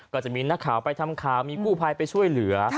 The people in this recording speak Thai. ก็จะมีนักข่าวไปทำข่าวมีกู้ภัยไปช่วยเหลือ